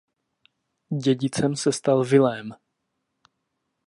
Dědicem se stal syn Vilém.